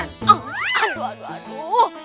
aduh aduh aduh